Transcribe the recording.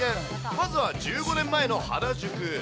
まずは１５年前の原宿。